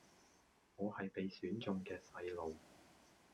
我係被選中嘅細路⠀⠀